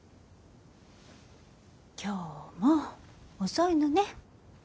今日も遅いのね。